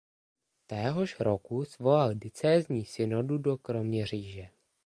Téhož roku svolal diecézní synodu do Kroměříže.